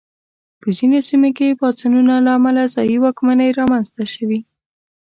په ځینو سیمو کې پاڅونونو له امله ځايي واکمنۍ رامنځته شوې.